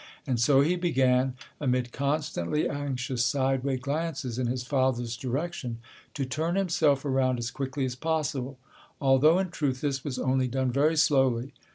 And so he began, amid constantly anxious sideways glances in his father's direction, to turn himself around as quickly as possible, although in truth this was only done very slowly.